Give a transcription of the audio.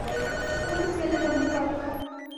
তোমাকে সেলে বন্দি করাটা।